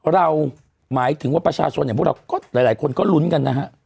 หมายถึงว่าประชาชนอย่างพวกเราก็หลายคนก็ลุ้นกันนะฮะ